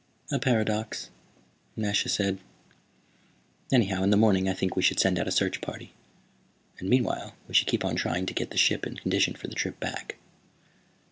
"A paradox," Nasha said. "Anyhow, in the morning I think we should send out a search party. And meanwhile we should keep on trying to get the ship in condition for the trip back."